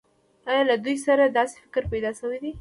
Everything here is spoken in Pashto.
آیا له دوی سره داسې فکر پیدا شوی دی